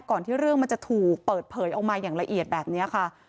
ก่อนที่เรื่องมันจะถูกเปิดเผยออกมาอย่างละเอียดแบบนี้ค่ะ